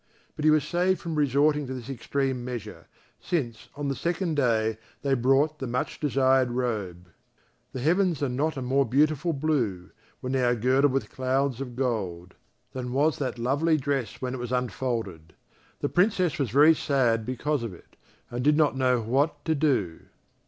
But he was saved from resorting to this extreme measure, since, on the second day, they brought the much desired robe. The heavens are not a more beautiful blue, when they are girdled with clouds of gold, than was that lovely dress when it was unfolded. The Princess was very sad because of it, and did not know what to do.